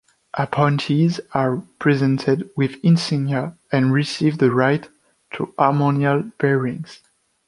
Appointees are presented with insignia and receive the right to armorial bearings.